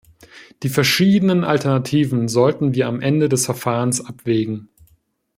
Die verschiedenen Alternativen sollten wir am Ende des Verfahrens abwägen.